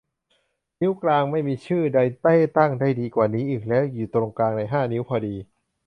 นิ้วกลาง ไม่มีชื่อใดที่ตั้งได้ดีกว่านี้อีกแล้ว อยู่ตรงกลางในห้านิ้วพอดี